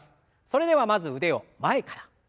それではまず腕を前から。